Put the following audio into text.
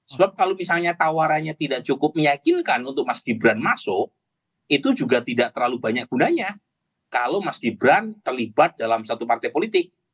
sebab kalau misalnya tawarannya tidak cukup meyakinkan untuk mas gibran masuk itu juga tidak terlalu banyak gunanya kalau mas gibran terlibat dalam satu partai politik